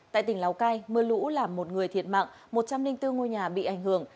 tại tỉnh lào cai mưa lũ làm một người thiệt mạng một trăm linh bốn ngôi nhà bị ảnh hưởng